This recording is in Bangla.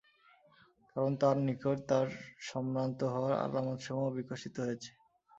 কারণ তার নিকট তার সম্রান্ত হওয়ার আলামতসমূহ বিকশিত হয়েছে।